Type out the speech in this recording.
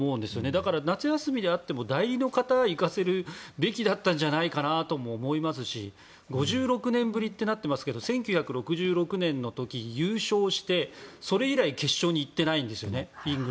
だから夏休みであっても代理の方を行かせるべきだったんじゃないかなとも思いますし５６年ぶりとなっていますけど１９６６年の時、優勝してそれ以来、決勝に行ってないんですよね。